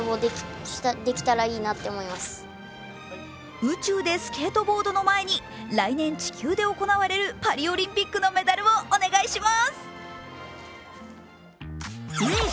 宇宙でスケートボードの前に来年地球で行われるパリオリンピックのメダルをお願いします。